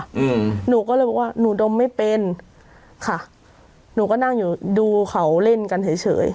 อืมหนูก็เลยบอกว่าหนูดมไม่เป็นค่ะหนูก็นั่งอยู่ดูเขาเล่นกันเฉยเฉย